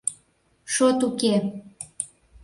Шот уке!